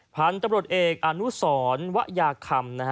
พันธุ์ตำรวจเอกอนุสวะยาคำ